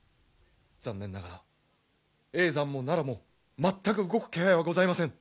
残念ながら叡山も奈良も全く動く気配はございません。